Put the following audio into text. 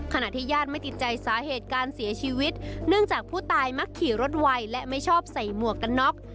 ขณะที่ญาติไม่ติดใจสาเหตุการเสียชีวิตเนื่องจากผู้ตายมักขี่รถไวและไม่ชอบใส่หมวกกันน็อก